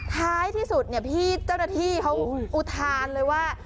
ท้ายที่สุดเนี่ยพี่เจ้าหน้าที่เขาอุทานเลยว่า